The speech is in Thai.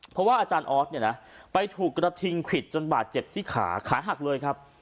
เพราะว่าอาจารย์ออสเนี่ยนะไปถูกกระทิงควิดจนบาดเจ็บที่ขาขาหักเลยครับ